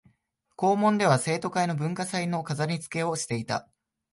校門では生徒会が文化祭の飾りつけをしていた